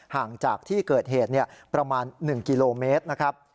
ห่างจากที่เกิดเหตุประมาณ๑กิโลเมตรนะครับ